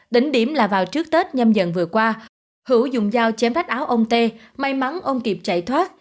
đỉnh điểm là vào trước tết nhâm dần vừa qua hữu dùng dao chém vách áo ông tê may mắn ông kịp chạy thoát